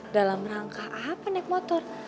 dalam rangka apa naik motor